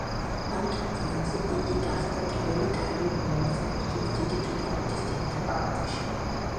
ამ თვალსაზრისით იგი გახდა პირველი ქალი, რომელიც აირჩიეს დიდი ბრიტანეთის თემთა პალატაში.